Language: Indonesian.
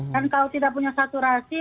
dan kalau tidak punya saturasi